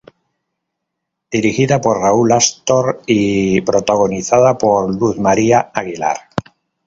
Dirigida por Raúl Astor y protagonizada por Luz María Aguilar.